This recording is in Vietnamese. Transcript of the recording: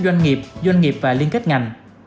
doanh nghiệp doanh nghiệp và liên kết ngành